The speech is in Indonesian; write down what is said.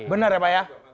benar ya pak ya